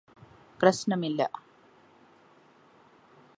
പ്രശ്നമില്ല